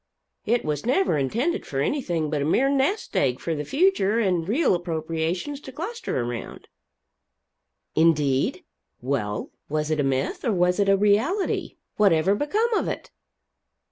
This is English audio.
It was never intended for anything but a mere nest egg for the future and real appropriations to cluster around." "Indeed? Well, was it a myth, or was it a reality? Whatever become of it?"